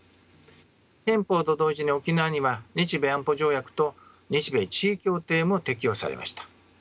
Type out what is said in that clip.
憲法と同時に沖縄には日米安保条約と日米地位協定も適用されました。